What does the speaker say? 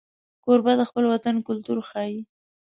کوربه د خپل وطن کلتور ښيي.